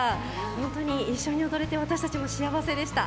本当に一緒に踊れて私たちも幸せでした。